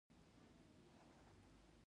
افغانان ژوندي دې خو ژوند نکوي